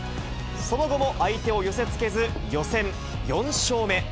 その後も相手を寄せつけず、予選４勝目。